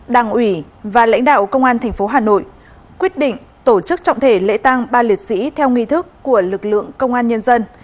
đảng ủy và lãnh đạo công an tp hà nội quyết định tổ chức trọng thể lễ tang ba liệt sĩ theo nghi thức của lực lượng công an nhân dân